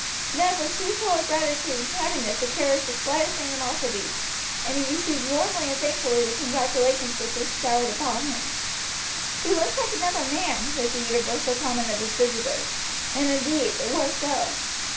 Ned was too full of gratitude and happiness to cherish the slightest animosity, and he received warmly and thankfully the congratulations which were showered upon him. "He looks another man," was the universal comment of his visitors; and, indeed, it was so.